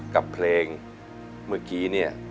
กับเพลงเมื่อกี้เนี่ย